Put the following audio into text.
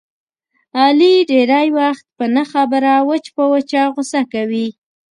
علي ډېری وختونه په نه خبره وچ په وچه غوسه کوي.